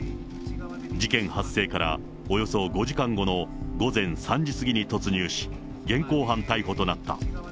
事件発生からおよそ５時間後の午前３時過ぎに突入し、現行犯逮捕となった。